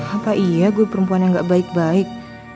apa iya gue perempuan yang gak baik baik